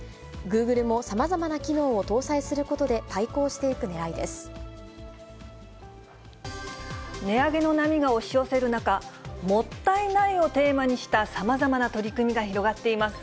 グーグルもさまざまな機能を搭載することで対抗していくねらいで値上げの波が押し寄せる中、もったいないをテーマにしたさまざまな取り組みが広がっています。